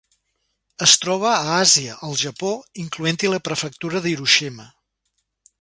Es troba a Àsia: el Japó, incloent-hi la prefectura d'Hiroshima.